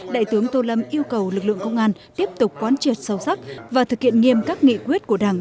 đại tướng tô lâm yêu cầu lực lượng công an tiếp tục quan triệt sâu sắc và thực hiện nghiêm các nghị quyết của đảng